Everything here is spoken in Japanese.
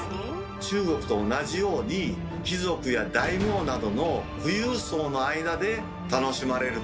中国と同じように貴族や大名などの富裕層の間で楽しまれる程度だったと。